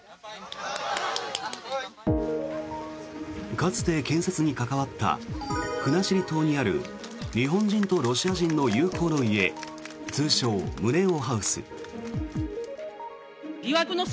かつて建設に関わった国後島にある日本人とロシア人の友好の家通称・ムネオハウス。